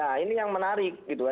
nah ini yang menarik gitu ya